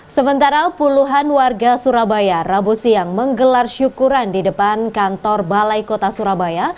sementara puluhan warga surabaya rabu siang menggelar syukuran di depan kantor balai kota surabaya